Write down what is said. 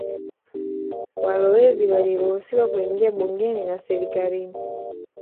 Walowezi waliruhusiwa kuingia bungeni na serikalini